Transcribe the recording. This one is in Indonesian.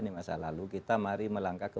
di masa lalu kita mari melangkah ke